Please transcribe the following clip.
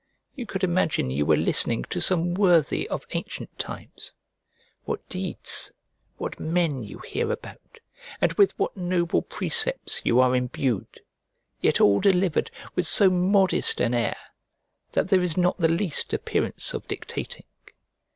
You could imagine you were listening to some worthy of ancient times! What deeds, what men you hear about, and with what noble precepts you are imbued! Yet all delivered with so modest an air that there is not the least appearance of dictating.